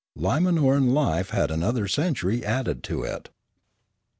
Linia noran life had another century added to it.